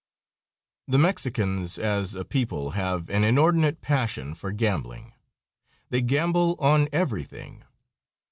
The Mexicans, as a people, have an inordinate passion for gambling. They gamble on everything.